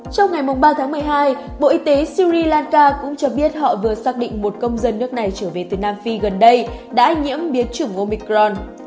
trong ngày ba tháng một mươi hai bộ y tế syri lanka cũng cho biết họ vừa xác định một công dân nước này trở về từ nam phi gần đây đã nhiễm biến chủng omicron